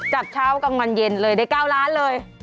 จับเช้ากลางวันเย็นเลยได้๙ล้านเลย